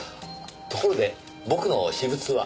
ところで僕の私物は？